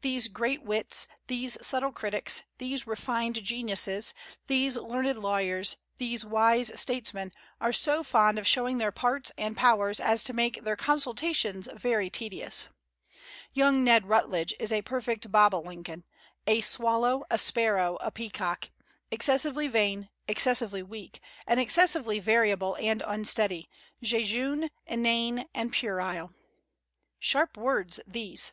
These great wits, these subtle critics, these refined geniuses, these learned lawyers, these wise statesmen, are so fond of showing their parts and powers as to make their consultations very tedious. Young Ned Rutledge is a perfect bob o lincoln, a swallow, a sparrow, a peacock; excessively vain, excessively weak, and excessively variable and unsteady, jejune, inane, and puerile." Sharp words these!